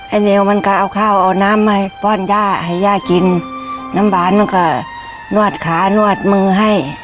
ไอ้เหนียวมันก็เอาข้าวเอาน้ำให้ป้อนย่าให้ย่ากินน้ำบานก็ก็นวดขานวดมือให้